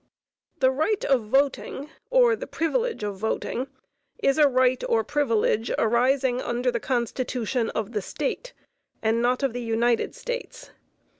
The right of voting, or the privilege of voting, is a right or privilege arising under the Constitution of the State, and not of the United States.